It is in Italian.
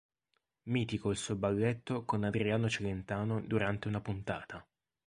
Mitico il suo balletto con Adriano Celentano durante una puntata.